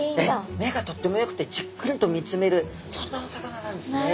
目がとってもよくてじっくりと見つめるそんなお魚なんですね。